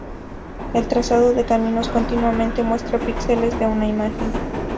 El trazado de caminos continuamente muestras píxeles de una imagen.